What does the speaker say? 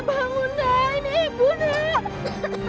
nggak bangun dah ini ibu dah